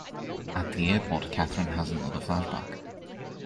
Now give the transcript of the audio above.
At the airport, Catherine has another flashback.